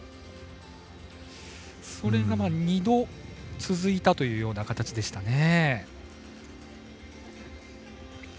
それが２度続いたという形でしたね。